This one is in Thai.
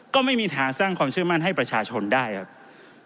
ก็ไม่มีทางสร้างความเชื่อมั่นให้ประชาชนได้ครับ